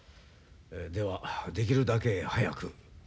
ではできるだけ早く。